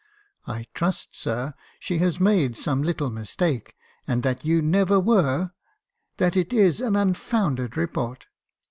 I trust, sir, she has made some little mistake, and that you never were —; that it is an unfounded report.'